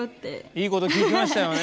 いいこと聞きましたよね！